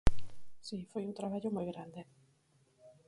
Si, foi un traballo moi grande.